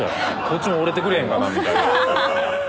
こっちも折れてくれへんかなみたいな。